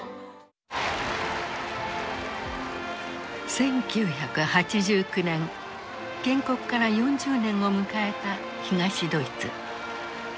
１９８９年建国から４０年を迎えた東ドイツ。